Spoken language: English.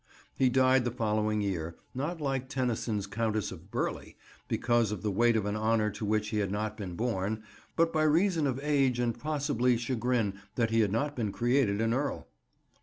He died the following year, not like Tennyson's Countess of Burleigh, because of the weight of an honour to which he had not been born, but by reason of age and possibly chagrin that he had not been created an Earl.